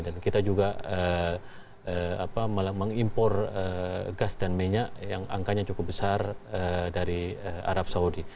dan kita juga mengimpor gas dan minyak yang angkanya cukup besar dari arab saudi